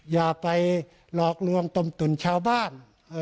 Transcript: อย่าไปหลอกลวงตมตุ่นชาวบ้าน